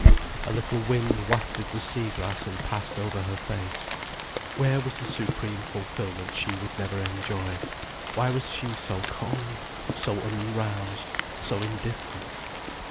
A little wind wafted the sea grass and passed over her face. Where was the supreme fulfilment she would never enjoy? Why was she so cold, so unroused, so indifferent?